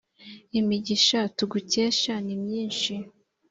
imigisha tugukesha ni myinshi